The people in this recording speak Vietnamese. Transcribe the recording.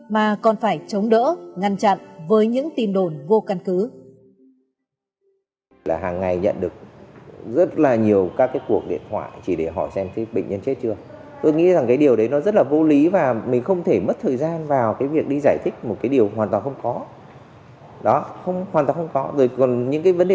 mà còn phải chống đỡ ngăn chặn với những tin đồn vô căn cứ